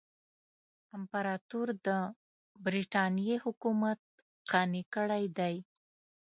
امپراطور د برټانیې حکومت قانع کړی دی.